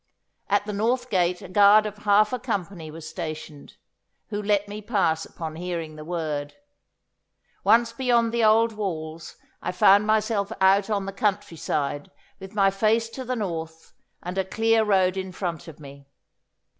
At the north gate a guard of half a company was stationed, who let me pass upon hearing the word. Once beyond the old walls I found myself out on the country side, with my face to the north and a clear road in front of me.